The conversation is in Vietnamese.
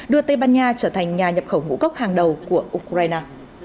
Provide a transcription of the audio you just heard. đưa tây ban nha trở thành nhà nhập khẩu ngũ cốc hàng đầu của ukraine